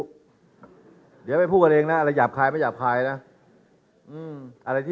เดี๋ยวไปพูดกันเองนะอะไรหยาบคลายไม่หยาบคลายนะ